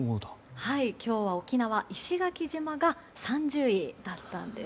今日は沖縄の石垣島が３０位だったんです。